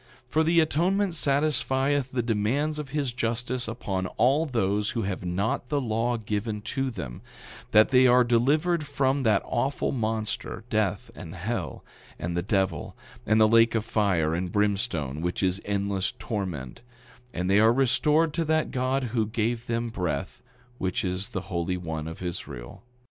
9:26 For the atonement satisfieth the demands of his justice upon all those who have not the law given to them, that they are delivered from that awful monster, death and hell, and the devil, and the lake of fire and brimstone, which is endless torment; and they are restored to that God who gave them breath, which is the Holy One of Israel.